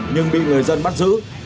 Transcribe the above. nhưng bị người dân bắt giữ